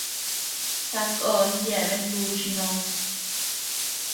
Sakon yeabean luuchi noos.